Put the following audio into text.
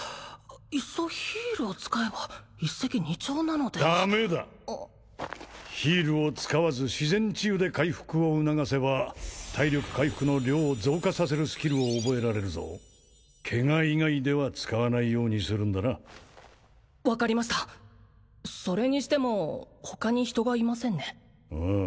いっそヒールを使えば一石二鳥なのではダメだヒールを使わず自然治癒で回復を促せば体力回復の量を増加させるスキルを覚えられるぞケガ以外では使わないようにするんだな分かりましたそれにしても他に人がいませんねああ